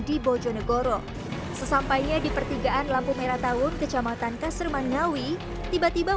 di bojonegoro sesampainya di pertigaan lampu merah tahun kecamatan kaserman ngawi tiba tiba